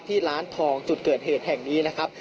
ร้านทองจุดเกิดเหตุแห่งนี้นะครับ